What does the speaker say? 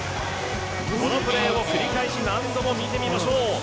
このプレーを繰り返し何度も見てみましょう。